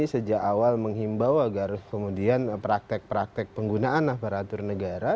sejak awal menghimbau agar kemudian praktek praktek penggunaan aparatur negara